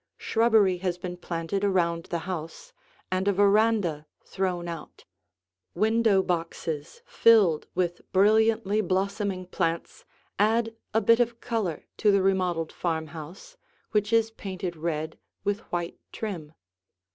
Shrubbery has been planted around the house, and a veranda thrown out; window boxes filled with brilliantly blossoming plants add a bit of color to the remodeled farmhouse which is painted red with white trim.